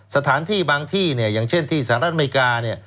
สถานที่บางที่เนี่ยอย่างเช่นที่สหรัฐอเมริกาเนี่ย